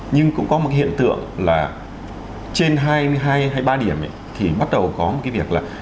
nhưng cũng có một hiện tượng là trên hai mươi hai hai mươi ba điểm thì bắt đầu có một cái việc là